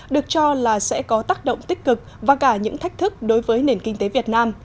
được cho là sẽ có tác động tích cực và cả những thách thức đối với nền kinh tế việt nam